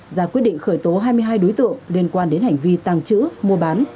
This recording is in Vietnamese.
ra quyết định khởi tố hai mươi hai đối tượng liên quan đến hành vi tàng trữ mua bán